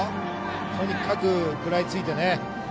とにかく食らいついて。